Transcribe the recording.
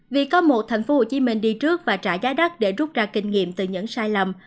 vì có một thành phố hồ chí minh đi trước và trả giá đắt để rút ra kinh nghiệm từ những sai lầm